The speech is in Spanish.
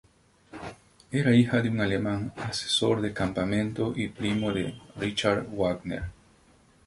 Era hija de un alemán asesor de campamento y primo de Richard Wagner.